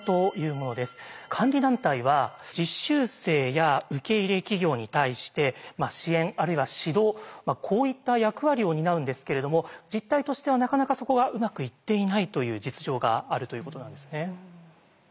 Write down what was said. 監理団体は実習生や受け入れ企業に対して支援あるいは指導こういった役割を担うんですけれども実態としてはなかなかそこがうまくいっていないという実情があるということなんですね。